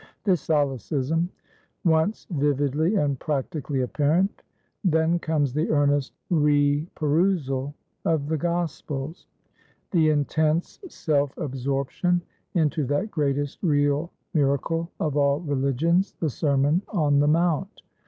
This solecism once vividly and practically apparent; then comes the earnest reperusal of the Gospels: the intense self absorption into that greatest real miracle of all religions, the Sermon on the Mount.